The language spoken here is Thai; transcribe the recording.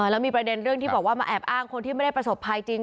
แล้วมีประเด็นเรื่องที่บอกว่ามาแอบอ้างคนที่ไม่ได้ประสบภัยจริง